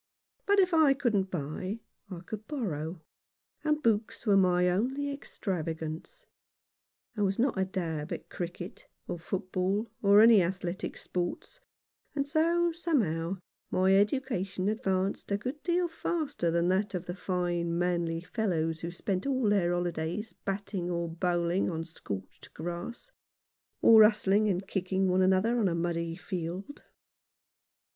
But if I couldn't buy I could borrow, and books were my only extravagance. I was not a dab at cricket, or football, or any athletic sports ; and so, somehow, my education advanced a good deal faster than that of the fine manly fellows who spent all their holidays batting or bowling on scorched grass, or hustling and kicking one another on a muddy field.